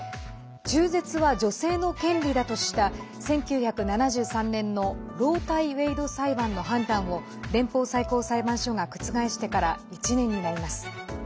中絶は女性の権利だとした１９７３年のロー対ウェイド裁判の判断を連邦最高裁判所が覆してから１年になります。